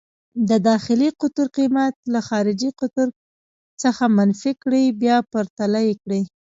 د داخلي قطر قېمت له خارجي قطر څخه منفي کړئ، بیا پرتله یې کړئ.